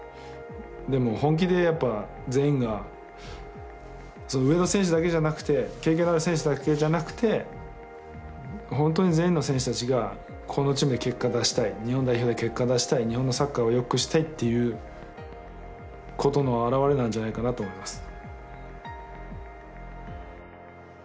でも本気でやっぱ全員が上の選手だけじゃなくて経験のある選手だけじゃなくて本当に全員の選手たちがこのチームで結果出したい日本代表で結果出したい日本のサッカーをよくしたいっていうことの表れなんじゃないかなと思います。